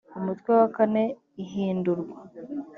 umutwe wa kane ihindurwa